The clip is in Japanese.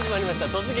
「突撃！